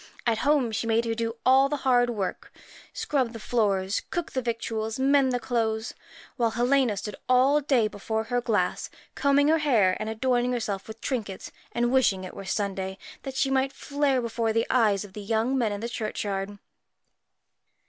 At home she made her do all the hard work scrub the floors, cook the victuals, mend the clothes whilst Helena stood all day before her glass, combing her hair and adorning herself with trinkets, and wishing it were Sunday that she might flare before the eyes of the young men in the churchyard.